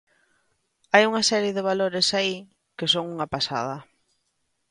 Hai unha serie de valores aí que son unha pasada.